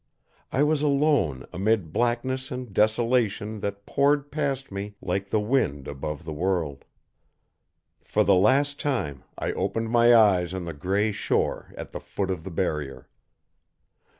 I was alone amid blackness and desolation that poured past me like the wind above the world. For the last time, I opened my eyes on the gray shore at the foot of the Barrier.